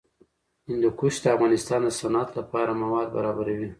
هندوکش د افغانستان د صنعت لپاره مواد برابروي.